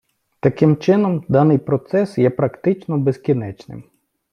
Таким чином, даний процес є практично безкінечним.